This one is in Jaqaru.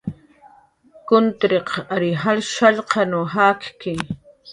Kuntiriq ary shallqan jakki